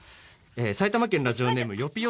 埼玉県ラジオネームよぴよ